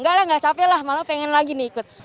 gak lah gak capek lah malah pengen lagi nih ikut